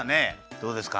どうですか？